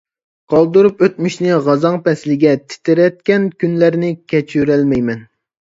قالدۇرۇپ ئۆتمۈشنى غازاڭ پەسلىگە، تىترەتكەن كۈنلەرنى كەچۈرەلمەيمەن.